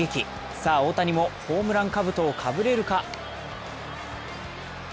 さあ、大谷もホームランかぶとをかぶれるか。